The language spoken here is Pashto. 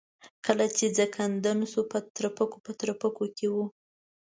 کله چې ځنکدن شو په ترپکو ترپکو کې و.